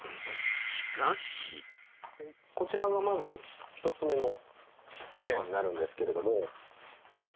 こちらがまず１つ目のお部屋になるんですけれども。